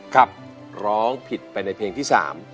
ครับร้องผิดไปในเพลงที่๓